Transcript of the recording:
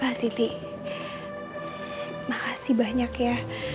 pak siti makasih banyak ya